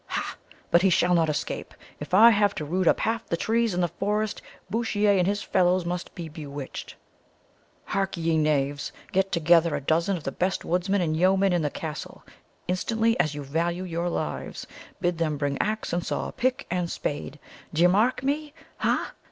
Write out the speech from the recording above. ha! But he shall not escape, if I have to root up half the trees in the forest. Bouchier and his fellows must be bewitched. Harkye, knaves: get together a dozen of the best woodmen and yeomen in the castle instantly, as you value your lives; bid them bring axe and saw, pick and spade. D'ye mark me? ha!